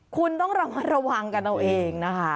คุณต้องระมัดระวังกันเอาเองนะคะ